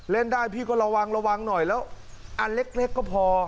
เล่นได้พี่ก็ระวังระวังหน่อยแล้วอันเล็กก็พอ